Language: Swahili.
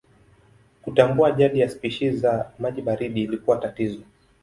Kutambua jadi ya spishi za maji baridi ilikuwa tatizo.